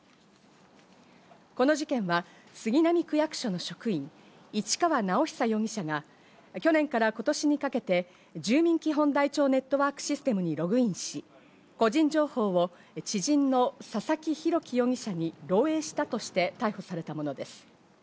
この事件は杉並区役所の職員、市川直央容疑者が去年から今年にかけて住民基本台帳ネットワークシステムにログインし、個人情報を知人の佐々木洋樹容疑者に漏えいしたとして、逮捕されたものです。